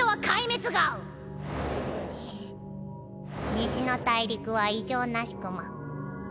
西の大陸は異常なしクマ。